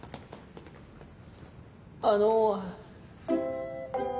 あの。